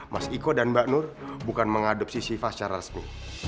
mas iko dan mbak nur bukan mengadopsi shiva secara resmi